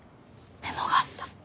メモがあった。